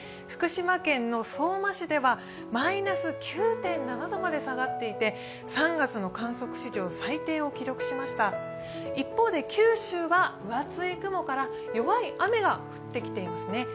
福島県の相馬市ではマイナス９．７度まで下がっていて３月の観測史上最低を記録しました一方で九州は分厚い雲から弱い雨が降ってきていますね。